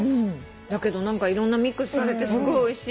だけどいろんなミックスされてすごいおいしい。